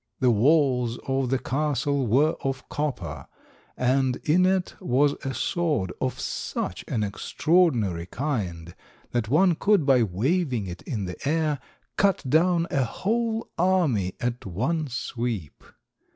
The walls of the castle were of copper, and in it was a sword of such an extraordinary kind that one could, by waving it in the air, cut down a whole army at one sweep.